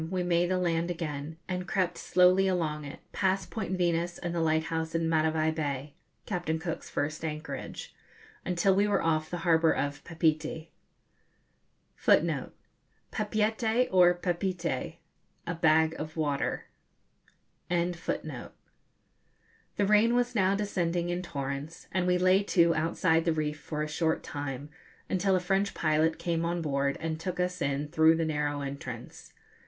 we made the land again, and crept slowly along it, past Point Venus and the lighthouse in Matavai Bay (Captain Cook's first anchorage), until we were off the harbour of Papeete. The rain was now descending in torrents, and we lay to outside the reef for a short time, until a French pilot came on board and took us in through the narrow entrance.